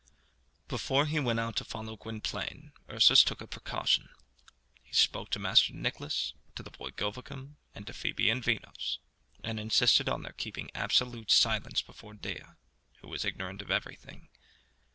Before he went out to follow Gwynplaine, Ursus took a precaution. He spoke to Master Nicless, to the boy Govicum, and to Fibi and Vinos, and insisted on their keeping absolute silence before Dea, who was ignorant of everything.